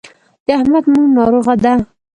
د احمد مور ناروغه ده.